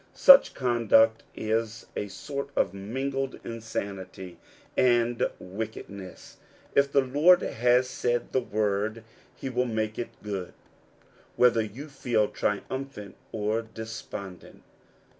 Such conduct is a sort of mingled insanity and wickedness. If the Lord has said the word, he will make it good, whether you feel triumphant or despondent.